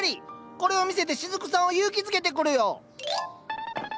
これを見せてしずくさんを勇気づけてくるよ。